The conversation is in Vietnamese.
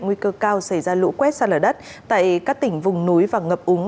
nguy cơ cao xảy ra lũ quét xa lở đất tại các tỉnh vùng núi và ngập úng